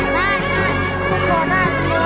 น่าคิดพูดโทรได้พูดโทรได้